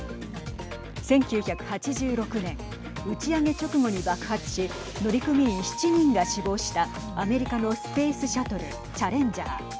１９８６年打ち上げ直後に爆発し乗組員７人が死亡したアメリカのスペースシャトルチャレンジャー。